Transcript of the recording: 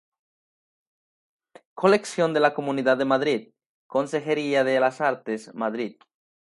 Colección de la Comunidad de Madrid, Consejería de las Artes, Madrid.